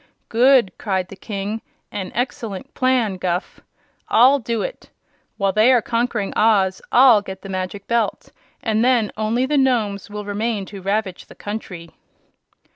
"Good!" cried the King. "An excellent plan, Guph. I'll do it. While they are conquering Oz I'll get the Magic Belt, and then only the Nomes will remain to ravage the country."